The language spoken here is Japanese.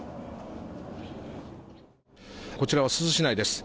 こちらは珠洲市内です。